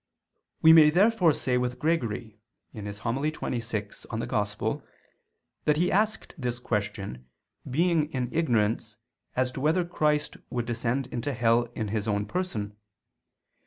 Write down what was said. We may therefore say with Gregory (Hom. xxvi in Evang.) that he asked this question, being in ignorance as to whether Christ would descend into hell in His own Person.